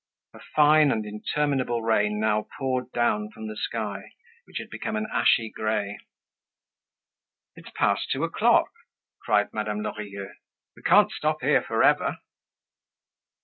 A fine and interminable rain now poured down from the sky which had become an ashy grey. "It's past two o'clock," cried Madame Lorilleux. "We can't stop here for ever."